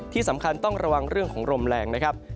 ที่สำคัญต้องระวังเรื่องของลมแรงนะครับ